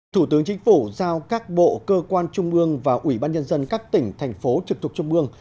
thủ tướng chính phủ giao các bộ cơ quan trung ương và ủy ban nhân dân các tỉnh thành phố trực thuộc trung mương